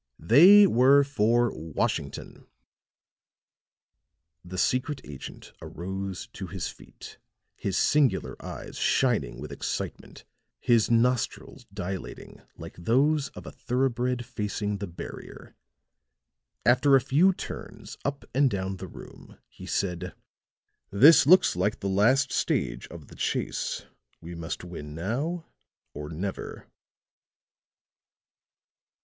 "They were for Washington." The secret agent arose to his feet, his singular eyes shining with excitement, his nostrils dilating like those of a thoroughbred facing the barrier. After a few turns up and down the room, he said: "This looks like the last stage of the chase. We must win now, or never."